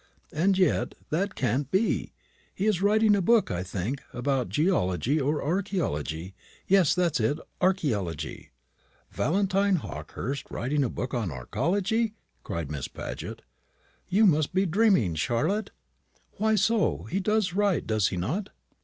And yet that can't be. He is writing a book, I think, about geology or archaeology yes, that's it, archaeology." "Valentine Hawkehurst writing a book on archaeology!" cried Miss Paget. "You must be dreaming, Charlotte." "Why so? He does write, does he not?"